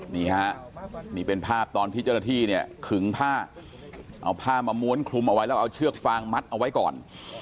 นี่ฮะนี่เป็นภาพตอนที่เจ้าหน้าที่เนี่ยขึงผ้าเอาผ้ามาม้วนคลุมเอาไว้แล้วเอาเชือกฟางมัดเอาไว้ก่อน